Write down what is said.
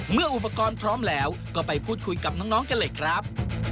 เมื่ออุปกรณ์พร้อมแล้วก็ไปพูดคุยกับน้องกันเลยครับ